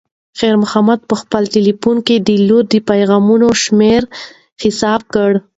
خیر محمد په خپل تلیفون کې د لور د پیغامونو شمېر حساب کړ.